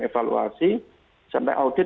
evaluasi sampai audit